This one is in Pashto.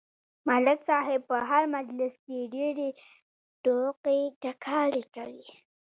ملک صاحب په هر مجلس کې ډېرې ټوقې ټکالې کوي.